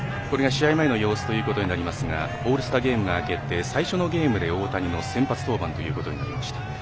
試合前の様子となりますがオールスターゲームがあけて最初のゲームで大谷の先発登板となりました。